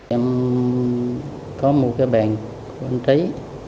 em có một cái bàn của anh tây